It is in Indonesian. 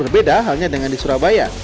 berbeda halnya dengan di surabaya